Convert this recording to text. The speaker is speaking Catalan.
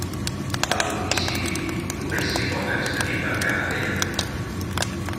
Al municipi només s'hi pot accedir per carretera.